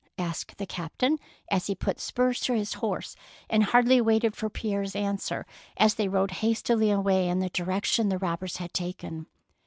" asked the captain, as he put spurs to his horse and hardly waited for Pierre's answer as they rode hastily away in the direc tion the robbers had taken.